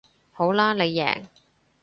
好啦你贏